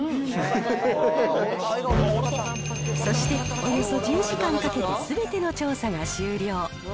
そしておよそ１０時間かけてすべての調査が終了。